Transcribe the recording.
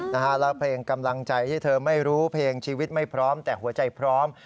แล้วเพลงกำลังใจที่เธอไม่รู้เพลงชีวิตไม่พร้อมแต่หัวใจพร้อม